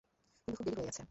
কিন্তু খুব দেরি হয়ে গেছে।